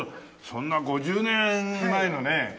そんな５０年前のね